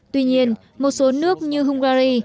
tuy nhiên một số nước như hungary